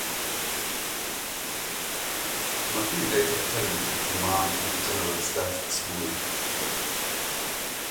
Marquis later attended the Command and General Staff School.